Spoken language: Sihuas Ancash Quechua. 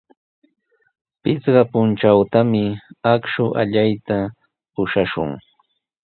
Pichqa puntrawtami akshu allayta ushashun.